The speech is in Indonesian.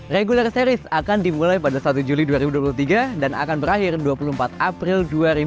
regular series akan dimulai pada satu juli dua ribu dua puluh tiga dan akan berakhir dua puluh empat april dua ribu dua puluh